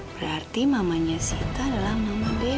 berarti mamanya sita adalah mama dewa